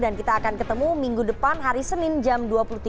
dan kita akan ketemu minggu depan hari senin jam dua puluh tiga puluh